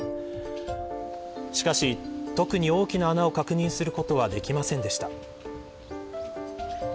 しかし、特に大きな穴を確認することはできませんでした。